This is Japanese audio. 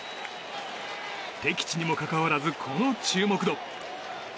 敵地にもかかわらずこの注目度。